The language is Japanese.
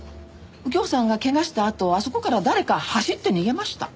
右京さんが怪我したあとあそこから誰か走って逃げました。